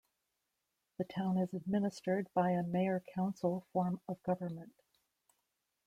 The town is administered by a mayor-council form of government.